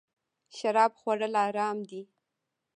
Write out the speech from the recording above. شراب خوړل حرام دی